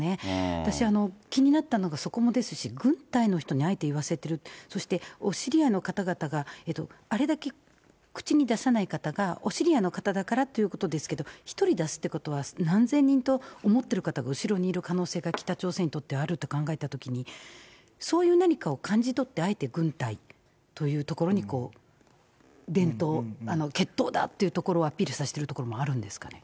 私、気になったのがそこもですし、軍隊の人にあえて言わせてる、そして、お知り合いの方々があれだけ口に出さない方が、お知り合いの方だからということですけど、１人出すということは、何千人と思ってる方が後ろにいる可能性が北朝鮮にとってはあると考えたときに、そういう何かを感じ取って、あえて軍隊というところに伝統、血統だというところは、アピールさせているところもあるんですか。